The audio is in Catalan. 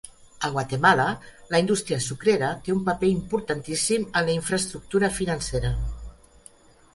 A Guatemala, la indústria sucrera té un paper importantíssim en la infraestructura financera.